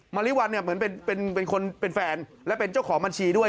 ริวัลเนี่ยเหมือนเป็นคนเป็นแฟนและเป็นเจ้าของบัญชีด้วย